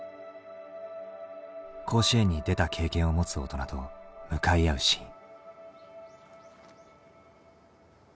甲子園に出た経験を持つ大人と向かい合うシーン。